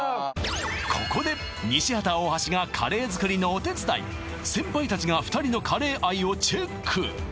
ここで西畑・大橋がカレー作りのお手伝い先輩達が２人のカレー愛をチェック